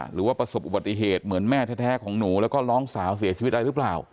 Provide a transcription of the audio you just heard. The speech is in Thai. หรือว่าประสบอุบัติเหตุเหมือนแม่แท้ของหนูแล้วก็น้องสาวเสียชีวิตอะไรหรือเปล่า